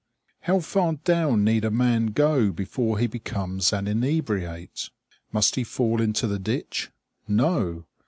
How far down need a man go before he becomes an inebriate? Must he fall into the ditch? No!